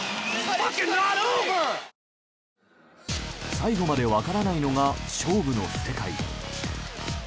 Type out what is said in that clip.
最後までわからないのが勝負の世界。